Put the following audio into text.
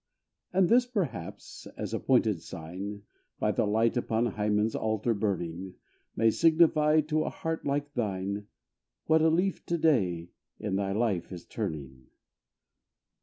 And this, perhaps, as a pointed sign, By the light upon Hymen's altar burning, May signify, to a heart like thine, "What a leaf to day in thy life is turning!"